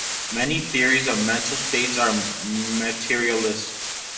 Many theories of mental states are materialist.